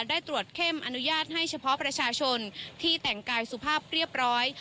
ได้ตรวจเข้มอนุญาตให้เฉพาะประชาชนที่แต่งกายสุภาพเรียบร้อย